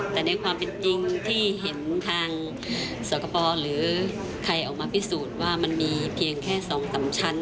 แต่ในความเป็นจริงที่เห็นทางสกปหรือใครออกมาพิสูจน์ว่ามันมีเพียงแค่๒๓ชั้น